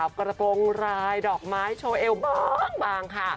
เอวเขากิวมากจริง